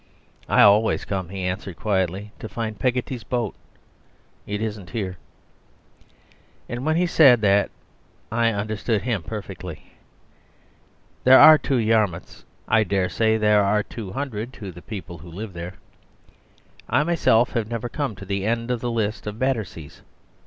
"I always come," he answered quietly, "to find Peggotty's boat. It isn't here." And when he said that I understood him perfectly. There are two Yarmouths; I daresay there are two hundred to the people who live there. I myself have never come to the end of the list of Batterseas.